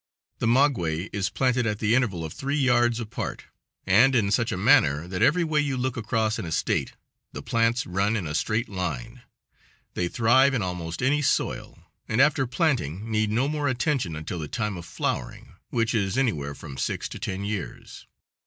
The maguey is planted at the interval of three yards apart, and in such a manner that every way you look across an estate the plants run in a straight line; they thrive in almost any soil, and after planting need no more attention until the time of flowering, which is anywhere from six to ten years.